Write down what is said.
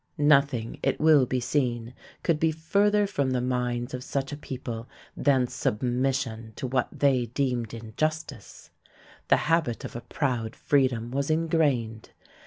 Nothing, it will be seen, could be further from the minds of such a people than submission to what they deemed injustice. The habit of a proud freedom was ingrained.